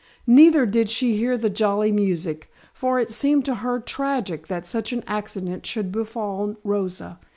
Neither did she hear the jolly music, for it seemed to her tragic that such an accident should befall Rosa.